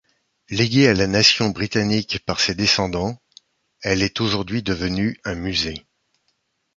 Léguée à la nation britannique par ses descendants, elle est aujourd'hui devenue un musée.